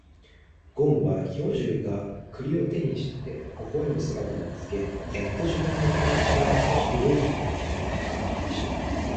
ごんは兵十が栗を手にして微笑む姿を見つけ、やっと自分の気持ちが少し届いたのではないかと感じました。